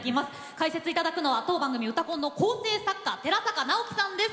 解説いただくのは当番組「うたコン」の構成作家寺坂直毅さんです。